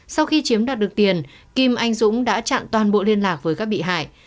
sau khi chiếm đoạt được tiền kim anh dũng đã chặn toàn bộ liên lạc với các bị hại